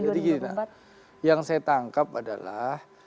jadi gini nah yang saya tangkap adalah